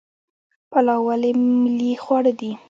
پلاو ولې ملي خواړه دي؟